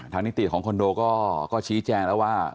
นิติของคอนโดก็ชี้แจงแล้วว่า